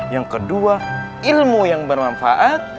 yang kedua ilmu yang bermanfaat